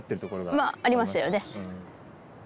まあありましたよね。